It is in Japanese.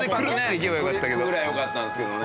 一発ねくぐればよかったんですけどね。